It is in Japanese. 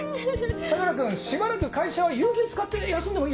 相良君しばらく会社は有給使って休んでもいいよ。